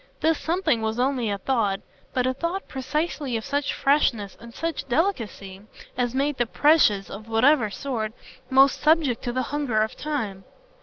This something was only a thought, but a thought precisely of such freshness and such delicacy as made the precious, of whatever sort, most subject to the hunger of time.